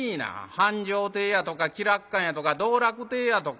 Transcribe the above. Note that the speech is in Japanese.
繁昌亭やとか喜楽館やとか動楽亭やとか。